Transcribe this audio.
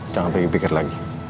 jangan berpikir pikir lagi